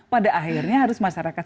pada akhirnya harus masyarakat